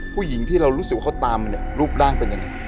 ผู้หญิงที่เรารู้สึกว่าเขาตามมาเนี่ยรูปร่างเป็นยังไง